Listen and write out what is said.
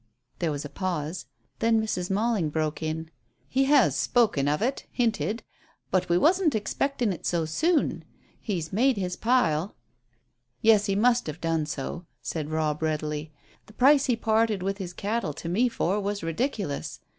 There was a pause. Then Mrs. Malling broke it "He has spoken of it hinted. But we wasn't expectin' it so soon. He's made his pile." "Yes, he must have done so," said Robb readily. "The price he parted with his cattle to me for was ridiculous.